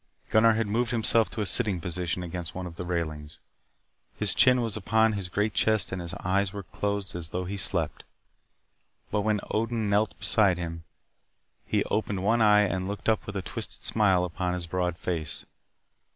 Gunnar had moved himself to a sitting position against one of the railings. His chin was upon his great chest and his eyes were closed as though he slept. But when Odin knelt beside him, he opened one eye and looked up with a twisted smile upon his broad face.